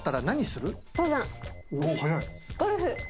ゴルフ。